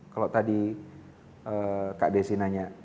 kalau tadi kak desi nanya